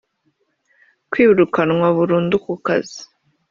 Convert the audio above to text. kwirukanwa burundu ku kazi